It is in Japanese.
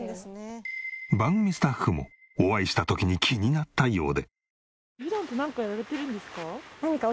番組スタッフもお会いした時に気になったようで。